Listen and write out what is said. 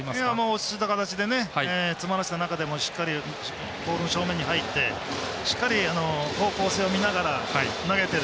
落ち着いた形で詰まらせた中でもしっかりボールの正面に入ってしっかり方向性を見ながら投げて。